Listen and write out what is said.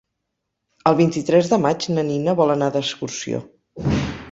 El vint-i-tres de maig na Nina vol anar d'excursió.